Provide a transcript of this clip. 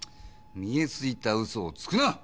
見えすいた嘘をつくな！